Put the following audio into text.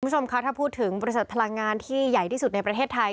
คุณผู้ชมคะถ้าพูดถึงบริษัทพลังงานที่ใหญ่ที่สุดในประเทศไทย